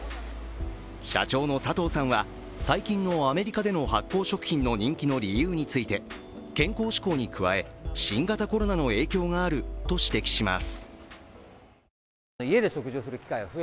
社長の佐藤さんは最近のアメリカでの発酵食品の人気の理由について健康志向に加え、新型コロナの影響があると指摘します。